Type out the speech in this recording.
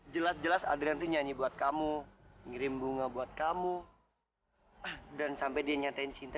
jelas jelas adrian itu nyanyi buat kamu ngirim bunga buat kamu dan sampai dia nyatain cinta